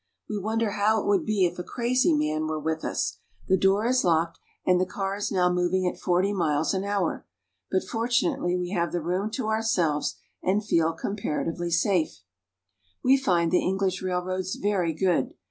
We wonder how it would be if a crazy man were with us. The door is locked, and the car is now moving at forty miles an hour ; but fortunately we have the room to our selves and feel comparatively safe. We find the English railroads very good.